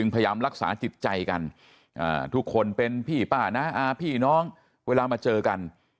พยายามรักษาจิตใจกันทุกคนเป็นพี่ป้าน้าอาพี่น้องเวลามาเจอกัน